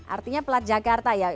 artinya plat jakarta ya